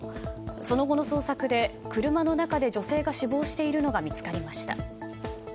その後の捜索で車の中で女性が死亡しているのが見つかりました。